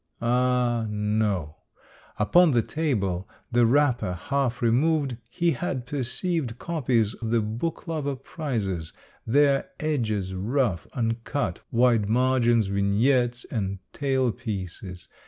Ah, no ! Upon the table, the wrapper half removed, he had perceived copies the book lover prizes — their edges rough, uncut, wide margins, vignettes, and tailpieces.